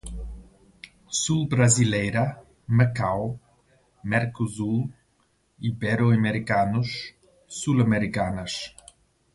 sul-brasileira, Macau, Mercosul, Ibero-americanos, Sul-Americanas